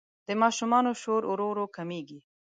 د ماشومانو شور ورو ورو کمېږي.